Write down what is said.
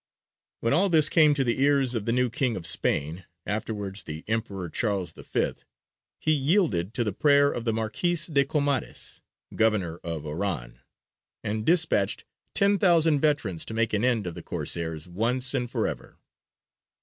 When all this came to the ears of the new King of Spain, afterwards the Emperor Charles V, he yielded to the prayer of the Marquis de Comares, Governor of Oran, and despatched ten thousand veterans to make an end of the Corsairs once and for ever.